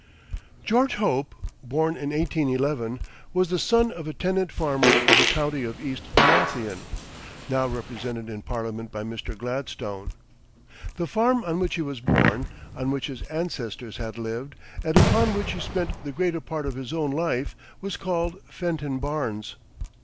George Hope, born in 1811, was the son of a tenant farmer of the county of East Lothian, now represented in Parliament by Mr. Gladstone. The farm on which he was born, on which his ancestors had lived, and upon which he spent the greater part of his own life, was called Fenton Barns.